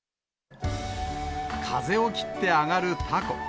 風を切って揚がるたこ。